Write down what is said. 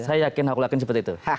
saya yakin hakul yakin seperti itu